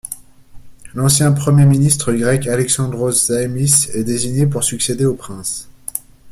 L'ancien Premier ministre grec Alexandros Zaimis est désigné pour succéder au prince.